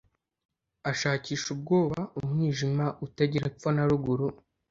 Ashakisha ubwoba umwijima utagira epfo na ruguru